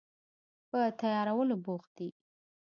پر تیارولو بوخت دي